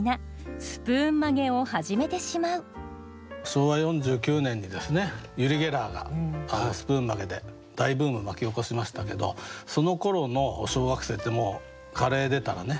昭和４９年にユリ・ゲラーがスプーン曲げで大ブーム巻き起こしましたけどそのころの小学生ってもうカレー出たらね